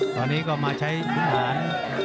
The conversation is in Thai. ตอนนี้ก็มาใช้ขุนหาน